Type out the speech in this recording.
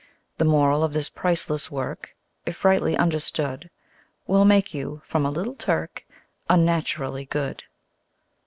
The Moral of this priceless work (If rightly understood) Will make you from a little Turk Unnaturally good.